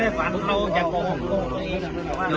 เดี๋ยวรถโชนรถมา